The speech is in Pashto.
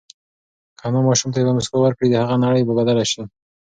که انا ماشوم ته یوه مسکا ورکړي، د هغه نړۍ به بدله شي.